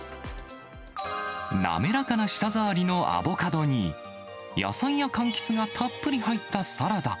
滑らかな舌触りのアボカドに、野菜やかんきつがたっぷり入ったサラダ。